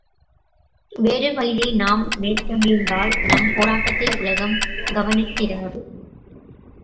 வேறு வழியை நாம் மேற்கொண்டிருந்தால், நம் போராட்டத்தை உலகம் கவனித்திராது.